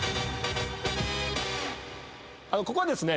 ここはですね